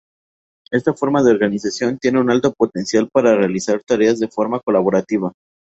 Esta forma de organización tiene un alto potencial para realizar tareas de forma colaborativa.